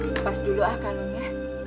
lepas dulu ah kanunya